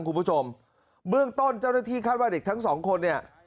คุณผู้ชมเบื้องต้นเจ้าหน้าที่คาดว่าเด็กทั้งสองคนเนี่ย